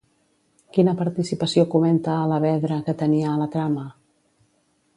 Quina participació comenta Alavedra que tenia a la trama?